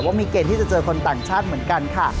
ว่ามีเกณฑ์ที่จะเจอคนต่างชาติเหมือนกันค่ะ